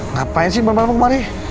ngapain sih bang marzuki kemari